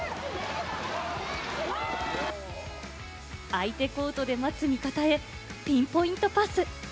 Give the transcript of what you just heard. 相手コートで待つ味方へピンポイントパス。